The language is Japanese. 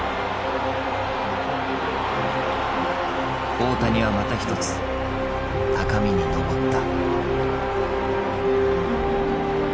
大谷はまた一つ高みにのぼった。